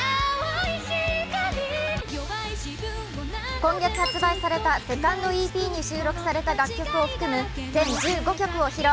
今月発売されたセカンドＥＰに収録された楽曲を含む全１５曲を披露。